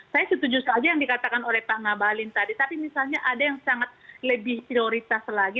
saya setuju saja yang dikatakan oleh pak ngabalin tadi tapi misalnya ada yang sangat lebih prioritas lagi